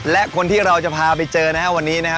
และคนที่เราจะพาไปเจอนะฮะวันนี้นะฮะ